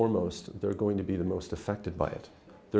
một bầu không khí chăm sạch